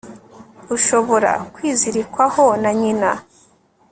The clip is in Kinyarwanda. ushobora kwizirikwaho na nyina